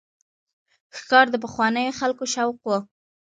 ښکار د پخوانیو خلکو شوق و.